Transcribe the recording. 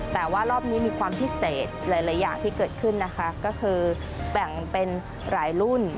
แต่ว่ารอบนี้มีความพิเศษหลายอย่างที่เกิดขึ้นนะคะก็คือแบ่งเป็นหลายรุ่น